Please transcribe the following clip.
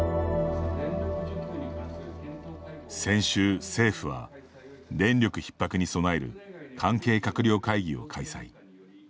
先週、政府は電力ひっ迫に備える関係閣僚会議を開催。